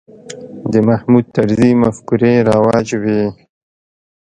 د محمود طرزي مفکورې رواج وې.